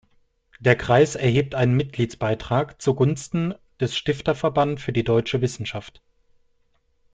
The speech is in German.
Der Kreis erhebt einen Mitgliedsbeitrag zu Gunsten des Stifterverband für die Deutsche Wissenschaft.